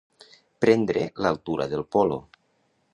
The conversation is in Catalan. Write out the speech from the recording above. Prendre l'altura del polo.